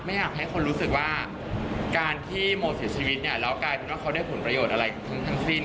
ไม่อยากให้คนรู้สึกว่าการที่โมเสียชีวิตเนี่ยแล้วกลายเป็นว่าเขาได้ผลประโยชน์อะไรทั้งสิ้น